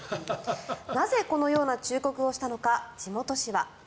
なぜこのような忠告をしたのか地元紙は。